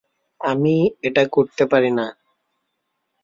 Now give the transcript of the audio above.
আমি এটা করতে পারি না।